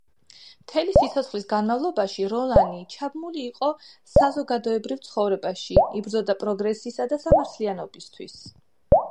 მთელი სიცოცხლის განმავლობაში როლანი ჩაბმული იყო საზოგადოებრივ ცხოვრებაში, იბრძოდა პროგრესისა და სამართლიანობისათვის.